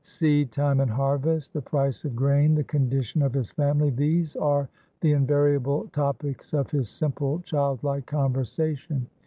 Seedtime and harvest, the price of grain, the condition of his family these are the invariable topics of his simple childlike conversation.